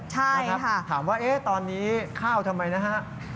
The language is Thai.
ถามว่าตอนนี้ข้าวทำไมนะฮะ